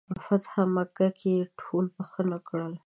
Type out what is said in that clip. فتح مکه کې یې ټول بخښنه کړل.